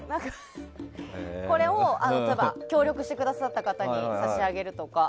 これを協力してくださった方に差し上げるとか。